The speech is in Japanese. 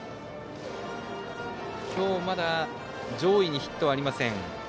今日まだ上位にヒットはありません。